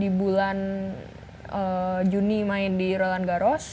di bulan juni main di roland garos